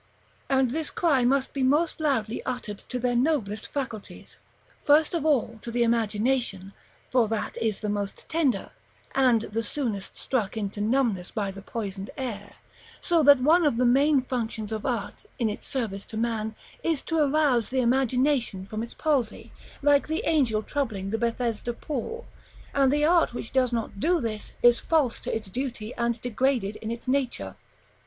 And this cry must be most loudly uttered to their noblest faculties; first of all to the imagination, for that is the most tender, and the soonest struck into numbness by the poisoned air; so that one of the main functions of art in its service to man, is to arouse the imagination from its palsy, like the angel troubling the Bethesda pool; and the art which does not do this is false to its duty, and degraded in its nature.